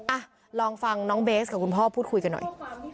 อ่ะลองฟังน้องเบสกับคุณพ่อพูดคุยกันหน่อย